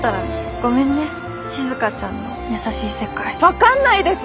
分かんないです！